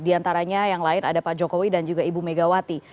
di antaranya yang lain ada pak jokowi dan juga ibu megawati